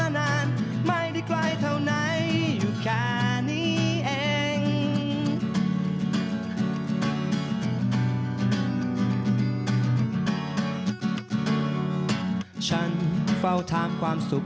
สนุนโดยอีซุสุมิวเอ็กซิทธิ์แห่งความสุข